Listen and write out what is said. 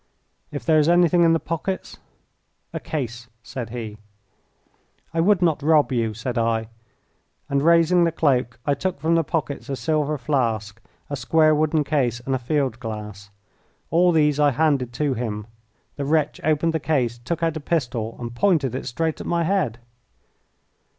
"If there is anything in the pockets " "A case," said he. "I would not rob you," said I; and raising the cloak I took from the pockets a silver flask, a square wooden case and a field glass. All these I handed to him. The wretch opened the case, took out a pistol, and pointed it straight at my head.